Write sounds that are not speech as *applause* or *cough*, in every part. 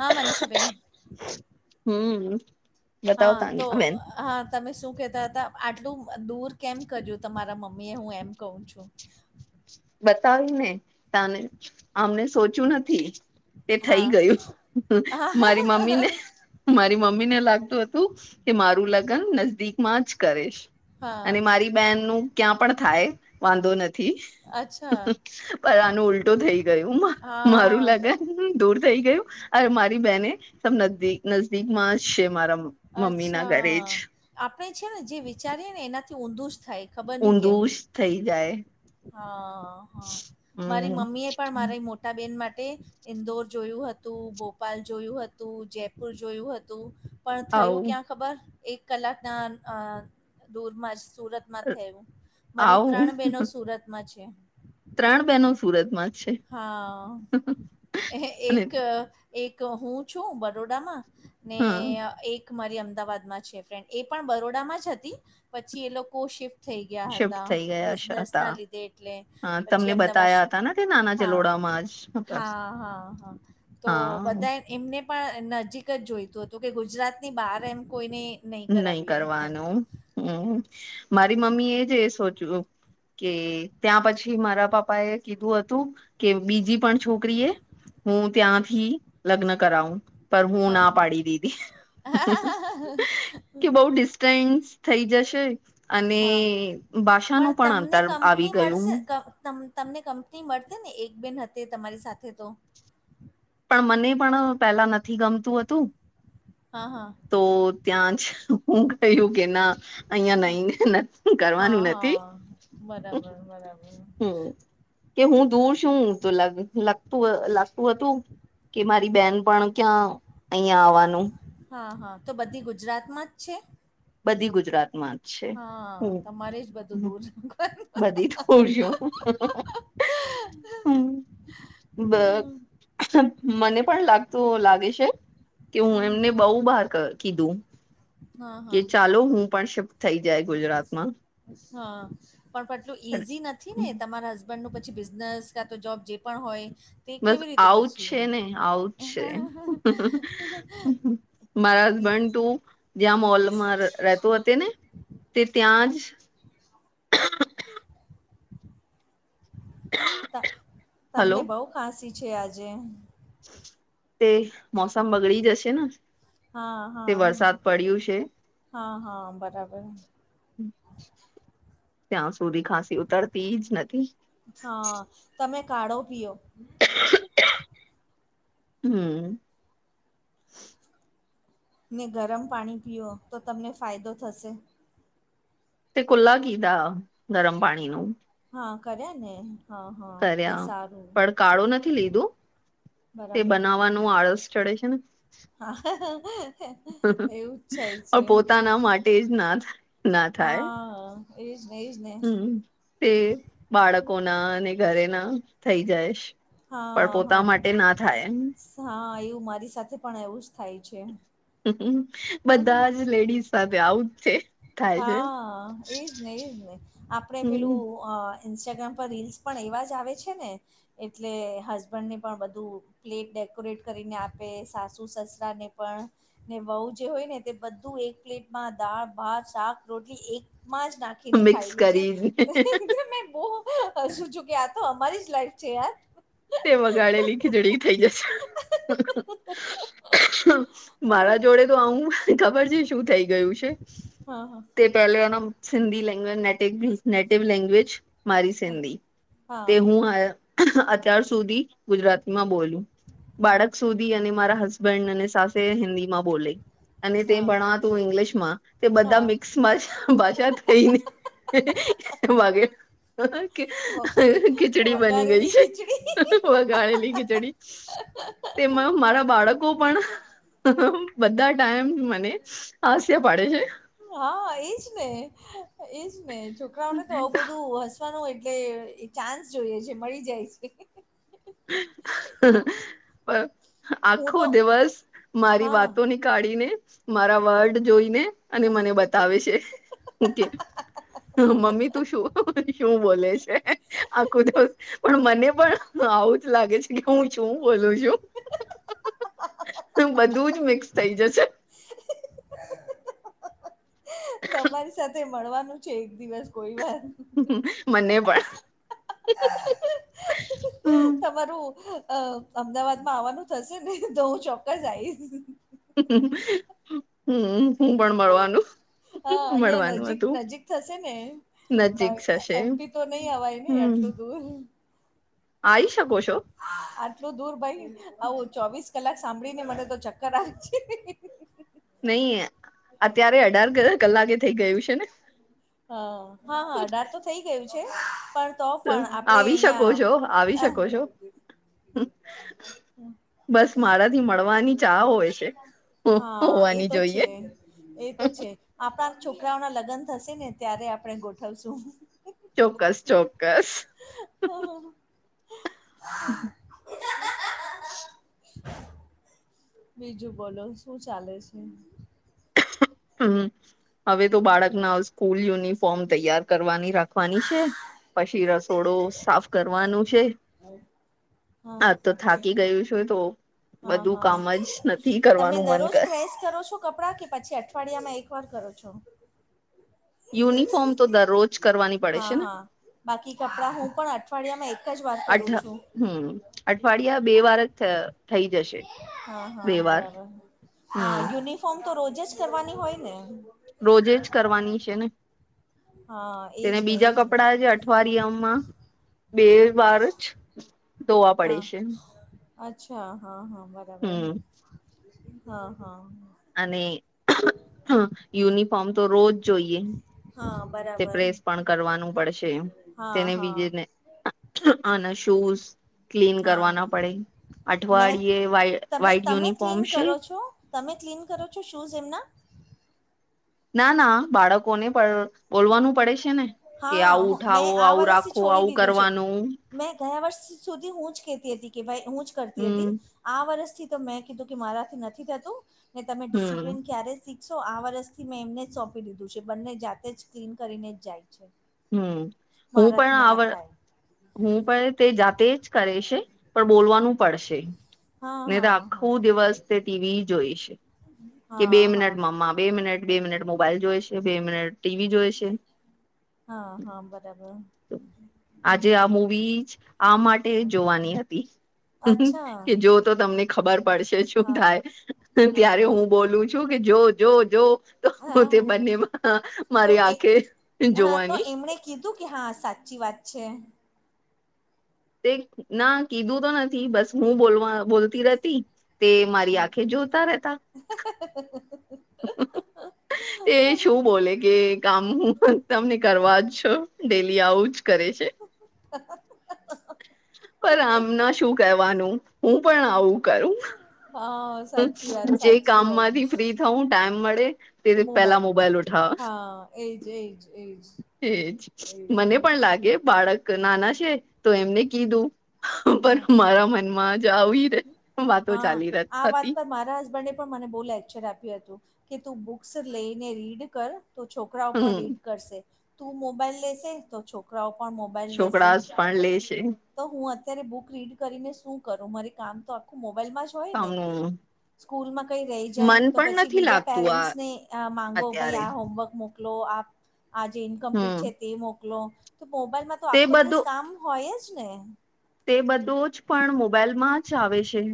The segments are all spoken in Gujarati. હા માંનીષાબેન હમ બતાવ હા તાને તો બેન હા? તમે શું કેતા હતા? આટલું દૂર કેમ કરયું તમારા મમ્મી એ હું એમ કું છું? બતાવી ને તને અમને સોચું નથી. તે થઈ હા ગયું મારી મમ્મી ને. મારી મમ્મીને લાગતું હતું કે મારું લગ્ન નજદીકમાં જ કરીશ. હા અને મારી બહેન નું ક્યાં પણ થાય વાંધો નથી. અચ્છા પણ આનું ઉલટુ થઈ ગયું મારું હા ત- લાગન દૂર થઈ ગયું અ મારી બેને તો ન નજદીક માં જ છે મારા મમ્મી ના ઘરે અચ્છા જ આપણે છે ને જે વિચારીએ ને એનાથી ઊંધું જ થાય. ખબર નહીં ઊંધુ કેમ સ થઈ જાય. હા હા મારી હમ મમ્મી એ પણ મારી મોટા બેન માટે ઇન્દોર જોયું હતું, ભોપાલ જોયું હતું, જયપુર જોયું હતું, પણ થયું આવું ક્યાં ખબર? એક કલાકના દૂરમાં જ સુરત થયું મારી આવું ત્રણ બહેનો સુરતમાં છે. ત્રણ બેહેનો સુરતમાં? જ છે હા અને એક એક હું છું બરોડામાં, ને હા એક મારી અમદાવાદમાં છે ફ્રેન્ડ એ પણ બરોડામાં જ હતી પછી એ લોકો શિફ્ટ થઈ ગયા શિફ્ટ હતા. થઈ ગયા હશે હતા બિઝનેસના લીધે એટલે હા તમને પછી અમદાવાદ બતાયા શિફ્ટ હતા ને તે નાના હા, ચલોડામાં જ હતા હા, હા, હા, તો હા બધાય એમને પણ નજીક જ જોઈતું હતું કે ગુજરાતની બહાર એમ કોઈને નહીં કરાવીએ એમ. કરવાનું, હમ્મ. મારી મમ્મીએ જ એ સોચ્યું કે ત્યાં પછી મારા પાપા એ કીધું હતું કે બીજી પણ છોકરીએ હું ત્યાંથી લગ્ન કરાવું, પણ હું હા, ના હા. પાડી દીધી. *inaudible* કે બહુ ડિસ્ટન્સ થઈ જશે અને હા, ભાષાનું પણ તમને અંતર આવી કંપની ગયું. મળશે ક તમ તમને કંપની મળતે ને એક બહેન હતી તમારી સાથે તો. પણ મને પણ પેલા નથી ગમતું હતું. હા, હા. તો ત્યાં જ હું કહ્યું કે ના અહિયાં નહી, હા, કરવાનું નથી. હા. બરાબર, બરાબર, હમ્મ કે હું બરાબર. દૂર સું તો લગ લગ તું લાગતું હતું કે મારી બહેન પણ ક્યાં અહિયાં આવવાનું હા, હા. તો બધી ગુજરાતમાં જ છે? બધી ગુજરાત માં જ. છે હા, હમ તમારે જ બધું દૂર *unintelligible* બધી થોડી *unintelligible* હમ્મ. બ મને પણ લાગતું લાગે છે કે હમ, હું હમ. એમને બહુ બહાર ક કીધું. હા, કે હા. ચાલો હું પણ શિફ્ટ થઈ જાય ગુજરાતમાં. હા. પણ પટલું ઈઝી નથી ને તમારા હસ બન્ડનું પછી બિઝનેસ કા તો જોબ જે પણ હોય તે બસ કેવી રીતે આવું જ પછી છે ને, આવું જ છે. મારા ઈ હસબન્ડ ટુ જ્યાં મોલમાં રહેતો હતો ને તે ત્યાં જ *inaudible* ત હલો તમને બહુ ખાંસી છે આજે. તે મોસમ બગડી જશે ના. હા, હા, હા, હા, બરાબર. ત્યાં સુધી ખાંસી ઉતરતી જ નથી. હા તમે કાળો પીઓ. હમ્મ. ને ગરમ પાણી પીઓ તો તમને ફાયદો થશે. તે કુલ્લા કીધા ગરમ પાણીનું. હા કર્યા ને એ? કર્યા, પણ કાળો નથી લીધું, તે બનાવવાનું આળસ ચડે છે ને. હા. એવું જ છાય છે, પોતાના માટે જ ના હા. એજ ને એજ ને. હમ્મ, તે બાળકોના અને ઘરે ના થઈ જાયશ. પણ હા પોતા હા માટે ના થાય એમ. હા એવું મારી સાથે પણ એવું જ થાય છે. *inaudible* બધા જ લેડીઝ સાથે આવું જ છે, થાય છે. હા એજ ને એજ ને આપણે હમ પેલું અહ ઇન્સ્ટાગ્રામ પર રીલ્સ પણ એવા જ આવે છે ને. એટલે હસબન્ડ ને પણ બધું પ્લેટ ડેકોરેટ કરીને આપે, સાસુ સસરાને પણ ને વહુ જે હોય ને તે બધું એક પ્લેટમાં દાળ, ભાત, શાક, રોટલી એકમાં જ નાખ મિક્સ ખાયલી કરીને છે *inaudible* મે બઉ હસુ કે આ તો અમારી જ લાઈફ છે યાર તે વગાડેલી ખીજડી થઈ જશે *inaudible* મારા જોડે તો આવું ખબર છે શું થઈ ગયું છે હા હા તે પેલે એનો સિંધી લેંગજ નેટિગ નેટિવ લેંગ્વેજ મારી સિંધી હા તે હું અ *inaudible* અત્યાર સુધી ગુજરાતમાં બોલું હા હા બાળક સુધી અને મારા હસબન્ડ અને સાસે હિન્દીમાં બોલે અને તે હા ભણવાતું ઇંગ્લિશ માં તે બધા હા મિક્સ ભાષા થઈને *inaudible* વાગે કે ખીચડી બની ગઈ છે જે *inaudible* વગાડેલી ખીચડી તેમાં મારા બાળકો પણ બધા ટાઈમ ને હાસ્ય પાડે છે હા એજ ને એજ ને છોકરાઓને તો આવ બધું હ *inaudible* એટલે ચાન્સ જોઈએ છે મળી જાય છે *inaudible* પણ હું આખો તો દિવસ મારી હા વાતોની કાઢીને મારા વર્ડ જોઈને અને મને બતાવે છે કે મમ્મી તું શું શું બોલે છે આખો દિવસ પણ મને પણ આવું જ લાગે છે કે હું શું બોલું છું *inaudible* બધું જ મિક્સ થઇ જશે *inaudible* તમારી સાથે મળવાનું છે એક દિવસ કોઈ વાત મને પણ હ તમારું અ અમદાવાદમાં આવવાનું થશે ને તો હું ચોક્કસ આઈશ હમ હું પણ મળવાનું હ અહિયાં મળવાનું નજીક હતું નજીક થશે ને નજીક થશે એમપી તો નહી અવાય ને એટલું *inaudible* આઈ શકોછો આટલું દૂર ભઈ આવું ચોવીસ કલાક સાંભળી ને મને તો ચક્કર આવે નઈ અત્યારે અઢાર કકલાકે થઈ ગયું છે ને હ હા હા અઢાર થઈ ગયું છે પણ તો પણ આપડે આવી શકો છો આવી અહિયાં શકો *inaudible* છો બસ મારા થી મળવાની ચા હોય છે હો- હા એ હોવાની તો જોઈએ છે એ તો છે આપણાવ છોકરાઓના લગ્ન થશે ને ત્યારે આપણે ગોઠવશું ચોક્કસ ચોક્કસ હમ હ બીજું બોલો શું ચાલે છે હમ હવે તો બાળકના સ્કૂલ યુનિફોર્મ તૈયાર કરવાની રાખવાની છે પછી ર થોડો સાફ કરવાનું છે હા આજ તો થાકી ગયું છું તો હા બધું હા કામજ નથી તમે કરવાનું મન કર *inaudible* છો કપડા કે પછી અઠવાડિયામાં એક વાર કરો છો યુનિફોર્મ તો દરરોજ કરવાની પડે હા છે ને હા બાકી કપડા હું પણ અઠવાડિયામાં એક જ વાર અઠ કરું છું હમ અઠવાડિયા બે વાર થ હા હા બરાબર હા હમ યુનિ ફોર્મ તો રોજે જ કરવાની હોય ને રોજે જ કરવાની છે ને હા એજ તેને ને બીજા એજ ને કપડા જ અઠવારિયામાં બે વાર જ ધોવા પડે હા છે. અચ્છા હા હા બરાબર હમ હા હા. અને યુનિફોર્મ તો રોજ જોઈએ. હા તે બરાબર પ્રેસ પણ કરવાનું પડશે. હા તેને હા બીજેને અને શૂઝ ક્લીન હા કરવા ના પડે મેં અઠવાડિયે વાય તમે વાઈટ તમે યુનિફોર્મ ક્લીન છે. કરો છો તમે ક્લીન કરો છો શૂઝ એમના? ના ના બાળકોને પણ બોલવાનું પડે છે ને કે હા આવું હું- ઉઠાવો, મેં આ આવું વરષથી રાખો, છોડી આવું દીધું છે કરવાનું. મેં ગયા વર્ષ સુધી હું જ કેતી હતી કે ભાઈ હું જ કરતી હમ હતી. આ વર્ષથી તો મેં કીધું કે મારાથી નથી થતું ને તમે હમ ડિસિપ્લિન ક્યારે શીખ શીખશો. આ વર્ષથી મેં એમને જાતે જ સોંપી દીધું છે બંને જાતે જ ક્લીન કરીને જાય છે. હમમ હું મારાથી પણ આ ના વ થાય હું પણ તે જાતે જ કરે છે પણ બોલવાનું પડશે. હા નય તો હા આખો દિવસ તે ટીવી જોઈ છે. હમમ. કે બે મિનટ મમા, બે મિનિટ, બે મિનટ મોબાઈલ જોઈ છે, બે મિનટ ટીવી જોઈ છે. હા હા બરાબર. આજે આ મુવી જ આ માટે જોવાની હતી. અચ્છા કે જો તો તમને ખબર પડશે શું હા થાય તો હા ત્યારે હા હું બોલું છું કે જો જો જો તો હું તે હા બંને તો મારી એ આંખે હા તો જોવાની એમણે કીધું કે હા સાચી વાત છે. તે ના કીધું તો નથી બસ હું બોલવા બોલતી રેતી. તે મારી આંખે જોતા રહેતા. *inaudible* *inaudible* તે શું બોલે કે કામ હું પણ તમને કરવા છો ડેલી આવું જ કરે છે. પણ અમના શું કરવાનું હું પણ આવું કરું. હા સાચી વાત જે સાચી કામમાંથી વાત. ફ્રી થવું ટાઈમ મળે તે પેલા મોબાઈલ ઉઠાવ હા એજ એજ એજ. એજ મને પણ લાગે બાળક નાના છે તો એમને કય દવ પણ હા મારા મનમાં જ આવી વાતો હા ચાલી ર આ વાત પર મારા હસબન્ડે પણ મને બો લેક્ચર આપ્યું હતું કે તું બુક્સ લઈને રીડ કર. તો છોકરાઓ પણ હમ રીડ કરશે, તું મોબાઈલ લેશે તો છોકરાઓ પણ મોબાઈલ લેશે. છોકરાસ પણ લે છે. તો હું અત્યારે બુક રીડ કરીને શું કરું મારે કામ તો આખું મોબાઈલમાં જ હોય ને કામનુ સ્કૂલમાં કઈ રહી જાય તો પછી નથી બીજા લાગતું આ પેરેન્ટ્સ ને અ માંગો ભાઈ અત્યારે આ હોમવર્ક મોક મોકલો આ જે ઇનકમ્પ્લીટ હમ છે તે મોકલો તો મોબાઈલમાં તો તે આખો દિવસ બધું કામ હોય જ ને. તે બધું જ પણ મોબાઈલમાં જ આવે છે.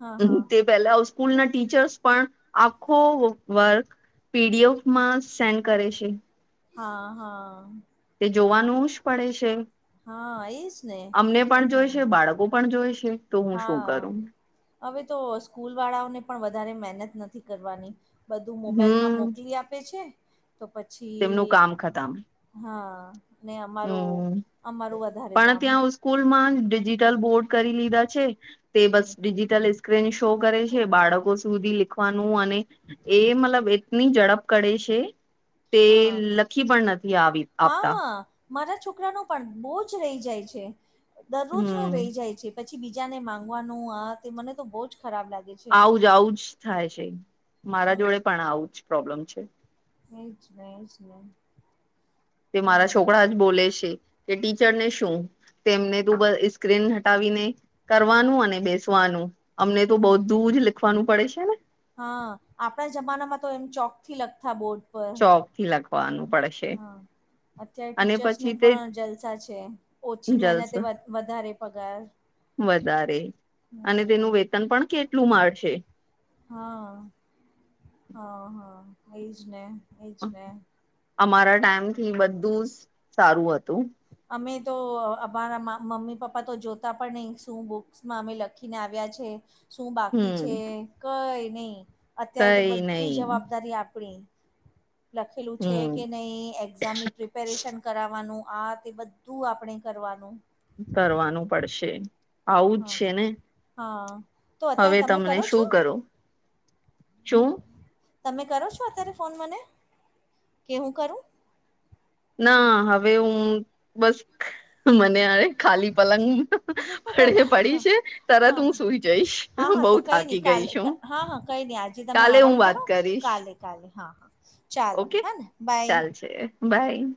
હા હા. તે પેલા અ સ્કૂલના ટીચર્સ પણ આખો વર્ક પીડીએફમાં સેન્ડ કરે છે. હા હા. તે જોવાનું જ પડે છે. હા એજ ને અમને પણ એજ જોઈ ને છે, બાળકો પણ જોય છે‌‌. હા હવે તો સ્કૂલ વાળાઓને પણ વધારે મહેનત નથી કરવાની. બધુ મોબાઈલમાં હમ મોકલી આપે છે, તો તેમનું પછી કામ ખતમ હા, ને અમારું હમ અમારું વધારે પણ કામ ત્યાં સ્કૂલમાં ડિજિટલ બોર્ડ કરી લીધા છે, તે બસ હમ ડિજિટલ સ્ક્રીન શો કરે છે, બાળકો સુધી લીખવાનું અને એ મતલબ ની ઝડપ કડે શે, તે હા લખી પણ નથી આવી આપતા. હા મારા છોકરાનું પણ બોઉ જ રઈ જાય છે, દરરોજનું હમ રઈ જાય છે. પછી બીજાને માંગવાનું આ તે મને તો બઉ જ ખરાબ લાગે છે આવું જ આવું જ થાય છે, મારા હમ જોડે પણ આવું જ પ્રોબ્લેમ છે. એ જ ને, એ જ ને. તે મારા હમ છોકરા જ બોલે છે કે ટીચરને શું? તેમને તું બ ઈ સ્ક્રીન હટાવીને કરવાનું અને બેસવાનું. અમને તો બધું જ લિખવાનું પડે છે ને. હન, આપડા જમાનામાં તો એમ ચોકથી લખતા બોર્ડ પર ચોકથી લખવાનું પડે છ. હા. અત્યાર ટીચર્સને તે પણ જલસા છે, ઓછી જલસ મહેનતે વધ-વધારે પગાર. વધારે અને હમ તેનું વેતન પણ કેટલું મળશે હન, હન, હન એ જ ને, એ જ ને. અમારા ટાઈમથી બધું સ સારું હતું. અમે તો અ-અમારા મા મમ્મી-પપ્પા તો જોતા પણ નઈ, શું બુક્સમાં અમે લખીને આવ્યા છે. શું બાકી હમ છે, કઈ ની અત્યારે તો કઈ બધી નહી જવાબદારી આપણી. લખેલું છે હમ કે નઈ? એ ઝામની પ્રિપેરેશન કરાવાનું, આ તે બધું આપણે કરવાનું. કરવાનું પડશે, આવું જ છે ને. હન, તો અત્યારે હવે તમે તમને કરો છો? શું શું તમે કરો છો અત્યારે ફોન મને કે હું કરું? ના હવે હું બસ, મને હવે ખાલી પલંગમાં *unintelligible* પડી છે. તરત હન, હું સુઈ જઈશ હન, હન બહુ તો કઈ ની, થાકી ગઈ કાલે છું હન, હન કઈ ની આજે તમે કાલે આરામ હું વાત કરો કરીશ કાલે કાલે હા, હા, ચાલો ઓકે હોને બાય. ચાલશે બાય.